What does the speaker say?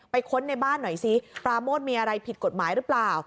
ค้นในบ้านหน่อยซิปราโมทมีอะไรผิดกฎหมายหรือเปล่า